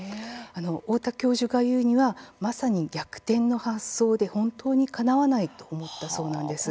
太田教授が言うにはまさに逆転の発想で、本当にかなわないと思ったそうなんです。